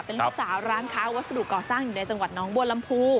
เป็นลูกสาวร้านค้าวัสดุก่อสร้างอยู่ในจังหวัดน้องบัวลำพู